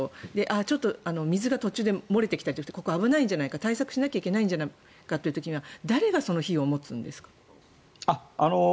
ちょっと水が途中で漏れてきたりして危ないんじゃないか対策しないといけないんじゃないかとなると誰がその費用を持つんですか？